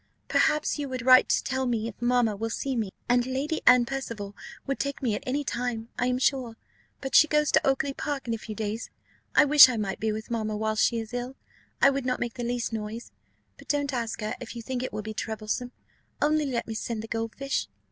Perhaps you would write to tell me if mamma will see me; and Lady Anne Percival would take me at any time, I am sure but she goes to Oakly park in a few days. I wish I might be with mamma whilst she is ill; I would not make the least noise. But don't ask her, if you think it will be troublesome only let me send the gold fish."